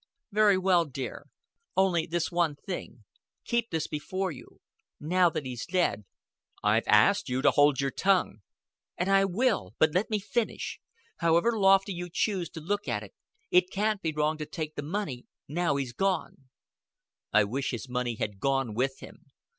"Very well, dear. Only this one thing. Keep this before you. Now that he's dead " "I've asked you to hold your tongue." "And I will. But let me finish. However lofty you choose to look at it, it can't be wrong to take the money now he's gone." "I wish his money had gone with him.